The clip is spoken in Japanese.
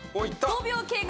５秒経過。